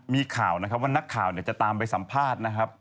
มีข่าวนะครับว่านักข่าวจะตามไปสัมภาษณ์นะครับ